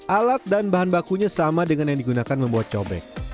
alat dan bahan bakunya sama dengan yang digunakan membuat cobek